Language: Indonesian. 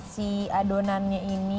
si adonannya ini